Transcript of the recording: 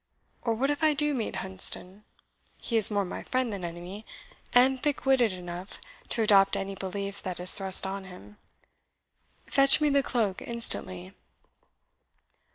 Or what if I do meet Hunsdon? he is more my friend than enemy, and thick witted enough to adopt any belief that is thrust on him. Fetch me the cloak instantly."